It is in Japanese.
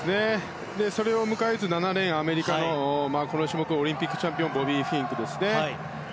それを迎えつつアメリカのこの種目のオリンピックチャンピオンボビー・フィンクですね。